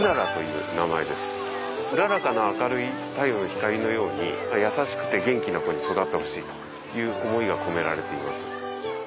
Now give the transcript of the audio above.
うららかな明るい太陽の光のように優しくて元気な子に育ってほしいという思いが込められています。